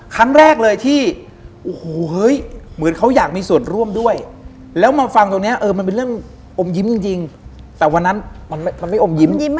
ครั้งแรกเลยที่โอ้โหเฮ้ยเหมือนเขาอยากมีส่วนร่วมด้วยแล้วมาฟังตรงนี้เออมันเป็นเรื่องอมยิ้มจริงแต่วันนั้นมันไม่อมยิ้ม